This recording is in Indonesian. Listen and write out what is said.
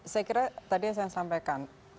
saya kira tadi yang saya sampaikan